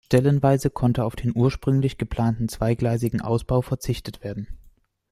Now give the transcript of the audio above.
Stellenweise konnte auf den ursprünglich geplanten zweigleisigen Ausbau verzichtet werden.